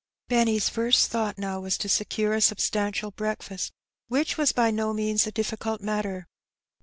Benny^s first thought now was to secure a substantial breakEBkst, which was bv no means a difficult matter.